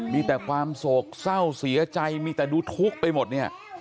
มีแต่ความโศกเศร้าเสียใจมีแต่ดูทุกข์ไปหมดเนี่ย